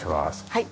はい。